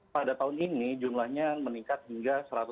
pada tahun ini jumlahnya meningkat hingga satu ratus lima puluh